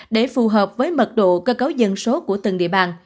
để phù hợp với mật độ cơ cấu dân số của từng địa bàn